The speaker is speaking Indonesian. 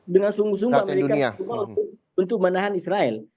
dengan sungguh sungguh amerika itu mau untuk menahan israel